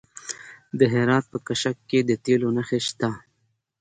د هرات په کشک کې د تیلو نښې شته.